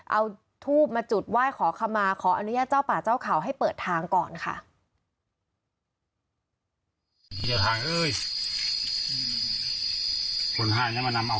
เอาทูบมาจุดไหว้ขอขมาขออนุญาตเจ้าป่าเจ้าเขาให้เปิดทางก่อนค่ะ